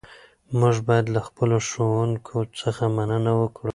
موږ باید له خپلو ښوونکو څخه مننه وکړو.